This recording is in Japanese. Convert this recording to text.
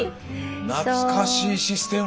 懐かしいシステム。